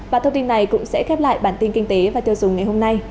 và thông tin này cũng sẽ khép lại bản tin kinh tế và tiêu dùng ngày hôm nay